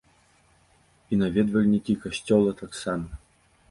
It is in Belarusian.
І наведвальнікі касцёла таксама.